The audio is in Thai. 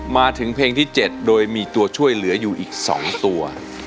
มาถึงเพลงที่๗โดยมีตัวช่วยเหลืออยู่อีก๒ตัว